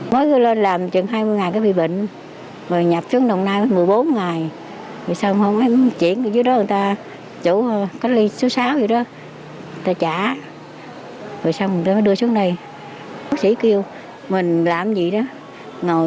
mới cư lên làm chừng hai mươi ngày cứ bị bệnh rồi nhập chứng minh rồi bắt đầu điều trị